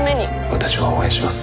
私は応援します。